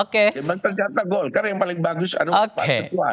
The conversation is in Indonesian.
cuman ternyata golkar yang paling bagus adalah pak ketua